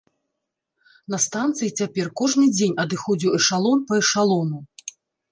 На станцыі цяпер кожны дзень адыходзіў эшалон па эшалону.